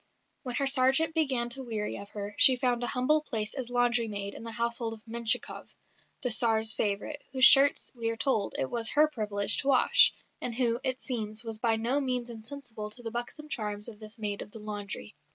When her sergeant began to weary of her, she found a humble place as laundry maid in the household of Menshikoff, the Tsar's favourite, whose shirts, we are told, it was her privilege to wash; and who, it seems, was by no means insensible to the buxom charms of this maid of the laundry.